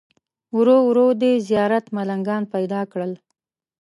ورو ورو دې زیارت ملنګان پیدا کړل.